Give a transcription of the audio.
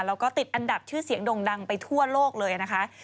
แล้วก็ติดอันดับชื่อเสียงด่งดังไปทั่วโลกเลยนะคะ